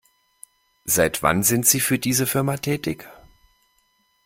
Seit wann sind Sie für diese Firma tätig?